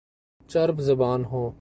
چرب زبان ہوں